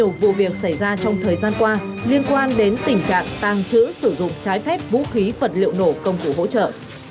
nhiều vụ việc xảy ra trong thời gian qua liên quan đến tình trạng tăng trữ sử dụng trái phép vũ khí vật liệu nổ công cụ hỗ trợ